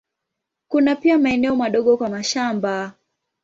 Kuna pia maeneo madogo kwa mashamba.